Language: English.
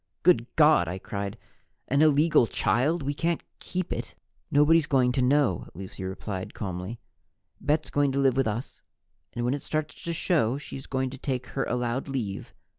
"Good God!" I cried. "An illegal child! We can't keep it!" "Nobody's going to know," Lucy replied calmly. "Bet's going to live with us, and when it starts to show, she's going to take her allowed leave.